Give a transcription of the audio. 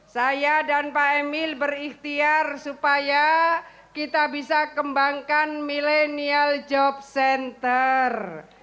saya dan pak emil berikhtiar supaya kita bisa kembangkan millennial job center